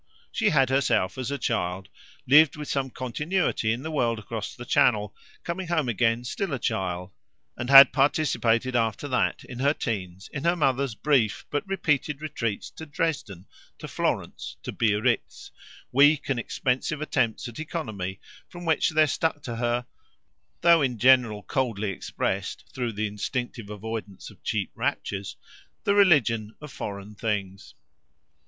She had herself, as a child, lived with some continuity in the world across the Channel, coming home again still a child; and had participated after that, in her teens, in her mother's brief but repeated retreats to Dresden, to Florence, to Biarritz, weak and expensive attempts at economy from which there stuck to her though in general coldly expressed, through the instinctive avoidance of cheap raptures the religion of foreign things.